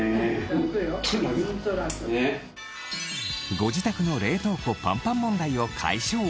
ご自宅の冷凍庫パンパン問題を解消